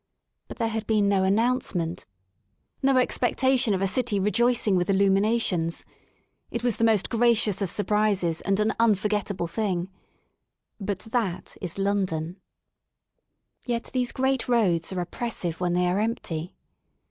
But there had been no announcement, no 5S THE SOUL OF LONDON expectation of a city rejoicing with illuminations^ it was the most gracious of surprises and an unforget table thing. But that is London* Yet these great roads are oppressive when they are empty.